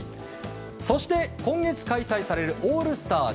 そして今月開催されるオールスター。